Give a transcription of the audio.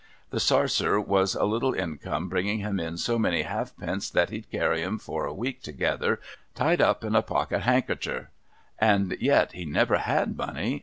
The sarser was a little income, bringing him in so many halfpence that he'd carry 'em for a week together, tied up in a pocket handkercher. And yet be never had money.